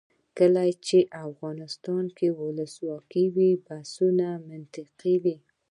کله چې افغانستان کې ولسواکي وي بحثونه منطقي وي.